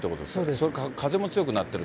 それから風も強くなってる。